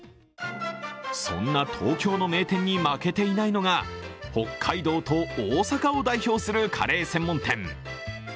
そんな東京の名店に負けていないのが北海道と大阪を代表するカレー専門店。